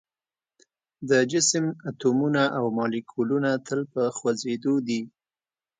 د جسم اتومونه او مالیکولونه تل په خوځیدو دي.